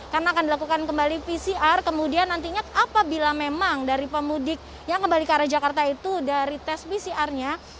karena akan dilakukan kembali pcr kemudian nantinya apabila memang dari pemudik yang kembali ke arah jakarta itu dari tes pcr nya